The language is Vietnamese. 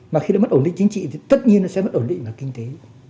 mà khi nó mất ổn định chính trị thì tất nhiên nó sẽ mất ổn định và kinh tế